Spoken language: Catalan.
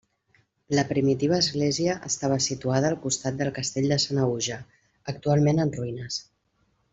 La primitiva església estava situada al costat del Castell de Sanaüja, actualment en ruïnes.